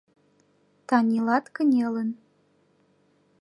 Танилат кынелын.